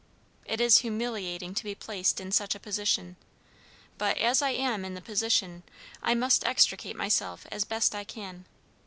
It is humiliating to be placed in such a position, but, as I am in the position, I must extricate myself as best I can.